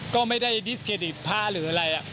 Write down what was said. ก็ไม่ได้ดิสเครดิตผ้าหรืออะไร